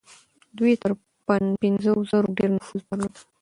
دوی تر پنځو زرو ډېر نفوس درلود.